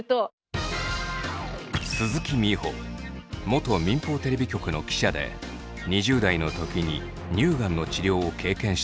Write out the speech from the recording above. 元民放テレビ局の記者で２０代のときに乳がんの治療を経験している。